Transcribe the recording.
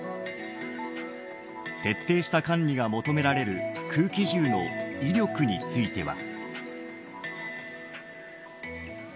徹底した管理が求められる空気銃の威力については。